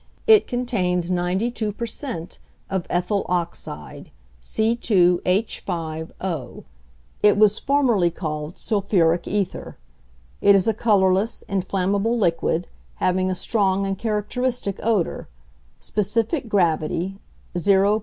It contains 92 per cent. of ethyl oxide (C_H_)O. It was formerly called 'sulphuric ether.' It is a colourless, inflammable liquid, having a strong and characteristic odour, specific gravity 0.735.